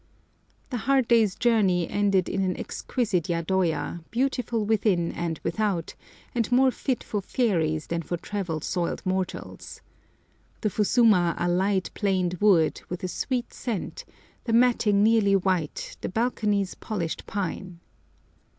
[Picture: Japanese Pack Horse] The hard day's journey ended in an exquisite yadoya, beautiful within and without, and more fit for fairies than for travel soiled mortals. The fusuma are light planed wood with a sweet scent, the matting nearly white, the balconies polished pine.